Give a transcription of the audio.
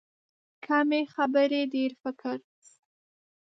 کمې خبرې، ډېر فکر.